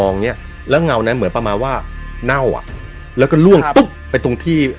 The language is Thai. เนี่ยเอาเขาก็แขวนคอตรง